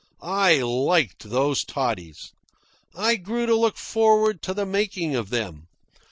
I liked those toddies. I grew to look forward to the making of them.